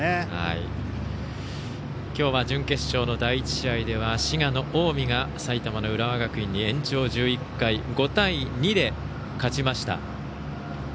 きょうは準決勝の第１試合では滋賀の近江が埼玉の浦和学院に延長１１回、５対２で勝ちました。